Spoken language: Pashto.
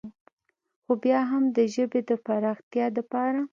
خو بيا هم د ژبې د فراختيا دپاره